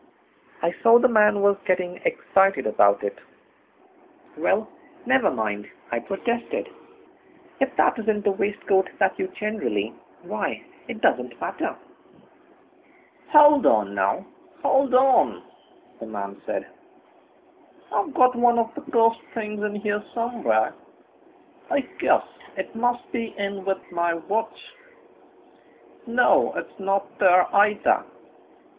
I saw that the man was getting excited about it. "Well, never mind," I protested; "if that isn't the waistcoat that you generally why, it doesn't matter." "Hold on, now, hold on!" the man said, "I've got one of the cursed things in here somewhere. I guess it must be in with my watch. No, it's not there either.